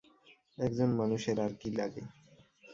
একজন মানুষের আর কী লাগে।